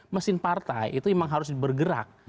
mesin partai itu memang harus bergerak